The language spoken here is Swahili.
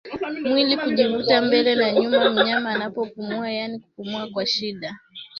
Mwili kujivuta mbele na nyuma mnyama anapopumua yaani kupumua kwa shida